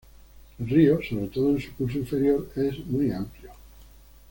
El río, sobre todo en su curso inferior, es muy amplio.